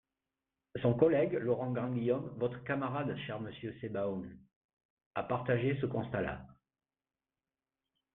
Son collègue Laurent Grandguillaume, votre camarade, cher monsieur Sebaoun, a partagé ce constat-là.